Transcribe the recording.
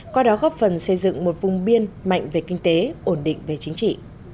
qua đó góp phần xây dựng một vùng biên mạnh về kinh tế ổn định về chính trị